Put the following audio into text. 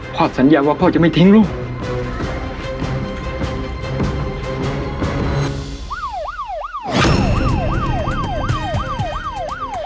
สัญญาว่าพ่อจะไม่ทิ้งลูก